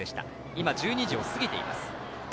今、１２時を過ぎています。